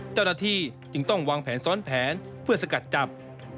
เจ้าหน้าที่จึงต้องวางแผนซ้อนแผนเพื่อสกัดจับ